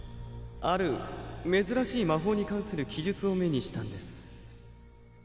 ある珍しい魔法に関する記述を目にしたんです